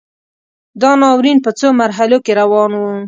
دا ناورین په څو مرحلو کې روان و.